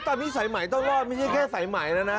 ตอนนี้สายไหมต้องรอดไม่ใช่แค่สายไหมแล้วนะ